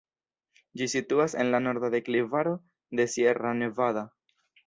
Ĝi situas en la norda deklivaro de Sierra Nevada.